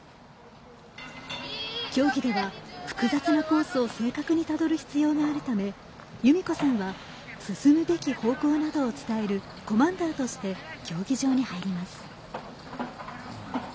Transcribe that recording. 競技では複雑なコースを正確にたどる必要があるため裕美子さんは進むべき方向などを伝えるコマンダーとして競技場に入ります。